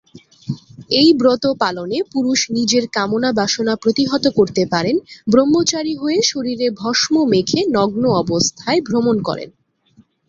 এই ব্রত পালনে পুরুষ নিজের কামনা-বাসনা প্রতিহত করতে পারেন, ব্রহ্মচারী হয়ে শরীরে ভস্ম মেখে নগ্ন অবস্থায় ভ্রমণ করেন।